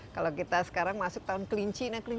kalau kita sekarang masuk tahun kelinci